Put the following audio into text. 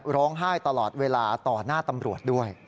ร้องไห้ตลอดเวลาต่อหน้าตำรวจด้วย